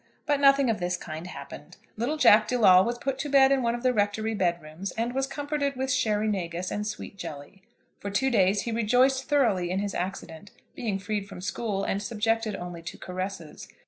But nothing of this kind happened. Little Jack De Lawle was put to bed in one of the Rectory bed rooms, and was comforted with sherry negus and sweet jelly. For two days he rejoiced thoroughly in his accident, being freed from school, and subjected only to caresses.